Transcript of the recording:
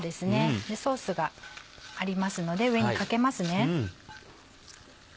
ソースがありますので上にかけますね。